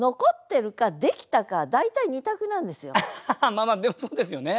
まあまあでもそうですよね